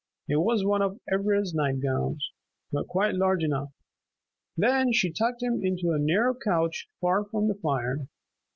It was one of Ivra's night gowns, but quite large enough. Then she tucked him into a narrow couch far from the fire.